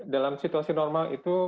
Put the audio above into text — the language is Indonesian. dalam situasi normal itu